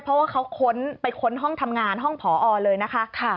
เพราะว่าเขาค้นไปค้นห้องทำงานห้องผอเลยนะคะ